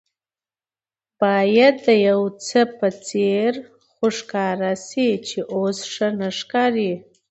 باید د یوڅه په څېر خو ښکاره شي چې اوس ښه نه ښکاري.